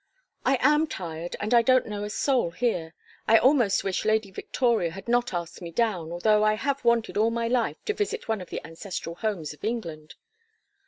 "I am tired, and I don't know a soul here. I almost wish Lady Victoria had not asked me down, although I have wanted all my life to visit one of the ancestral homes of England."